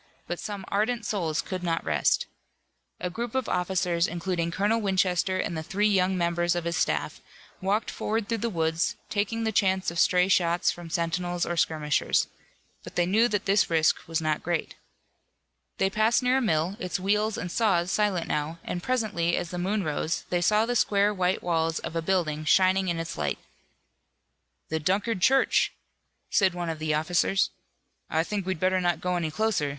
But some ardent souls could not rest. A group of officers, including Colonel Winchester and the three young members of his staff, walked forward through the woods, taking the chance of stray shots from sentinels or skirmishers. But they knew that this risk was not great. They passed near a mill, its wheels and saws silent now, and presently as the moon rose they saw the square white walls of a building shining in its light. "The Dunkard church," said one of the officers. "I think we'd better not go any closer.